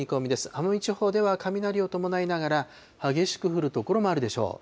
奄美地方では雷を伴いながら、激しく降る所もあるでしょう。